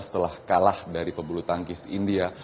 setelah kalah dari pebulu tangkis india